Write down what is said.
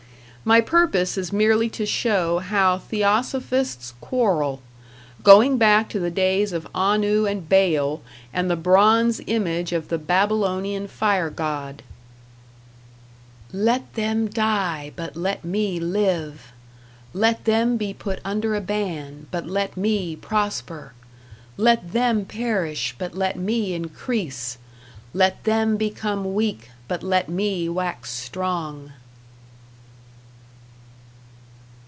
My purpose is merely to show how theosophists quarrel: going back to the days of Anu and Baal and the bronze Image of the Babylonian fire god: Let them die, but let me live! Let them be put under a ban, but let me prosper! Let them perish, but let me increase! Let them become weak, but let me wax strong!